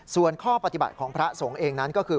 ส่วนข้อปฏิบัติของพระสงฆ์เองนั้นก็คือ